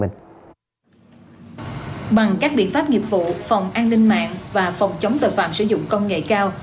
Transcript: bằng các biện pháp nghiệp vụ phòng an ninh mạng và phòng chống tội phạm sử dụng công nghệ cao